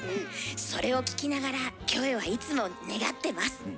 それを聴きながらキョエはいつも願ってます。